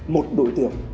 một đối tượng